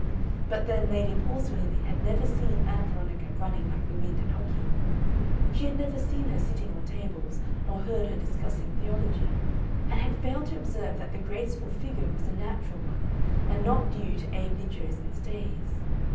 But then Lady Palsworthy had never seen Ann Veronica running like the wind at hockey. She had never seen her sitting on tables nor heard her discussing theology, and had failed to observe that the graceful figure was a natural one and not due to ably chosen stays.